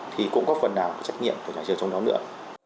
thì cũng có phần nào trách nhiệm của nhà trường trong đó nữa